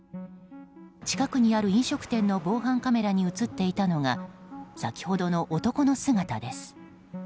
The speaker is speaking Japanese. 近くにある飲食店の防犯カメラに映っていたのが先ほどの男の姿です。